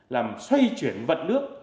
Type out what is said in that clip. làm xoay chuyển vận nước